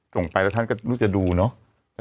ฉันก็รู้จะดูเนอะ